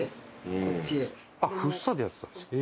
福生でやってたんですか？